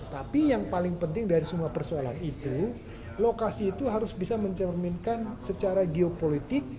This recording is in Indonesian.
tapi yang paling penting dari semua persoalan itu lokasi itu harus bisa mencerminkan secara geopolitik